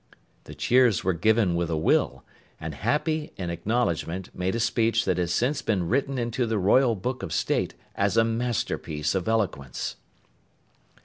The cheers were given with a will, and Happy in acknowledgement made a speech that has since been written into the Royal Book of state as a masterpiece of eloquence.